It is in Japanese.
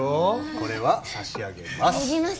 これは差し上げます。